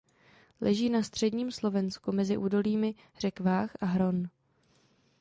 Leží na středním Slovensku mezi údolími řek Váh a Hron.